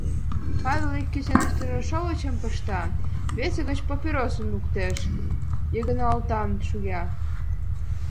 Павыл ик кӱсенышкыже шовычым пышта, весе гыч папиросым луктеш, Йыгынатлан шуя.